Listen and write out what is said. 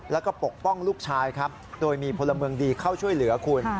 แล้วก็ปกป้องลูกชายครับโดยมีพลเมืองดีเข้าช่วยเหลือคุณ